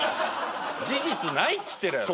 事実ないって言ってるやろ。